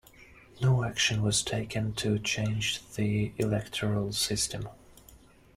No action was taken to change the electoral system.